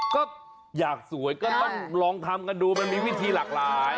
ก็อยากสวยก็ต้องลองทำกันดูมันมีวิธีหลากหลาย